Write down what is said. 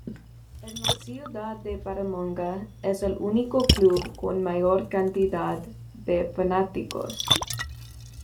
En la ciudad de "Paramonga" es el único club con mayor cantidad de fanáticos.